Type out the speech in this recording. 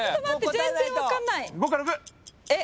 全然分かんない。